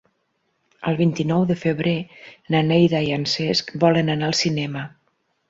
El vint-i-nou de febrer na Neida i en Cesc volen anar al cinema.